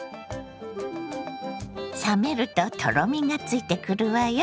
冷めるととろみがついてくるわよ。